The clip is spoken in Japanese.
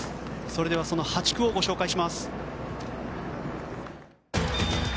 それではその８区をご紹介します。